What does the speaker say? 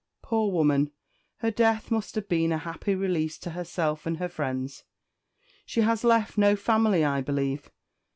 Poor woman! her death must have been a happy release to herself and her friends. She has left no family, I believe?"